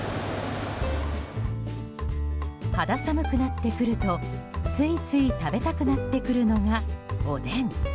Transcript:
肌寒くなってくるとついつい食べたくなってくるのがおでん。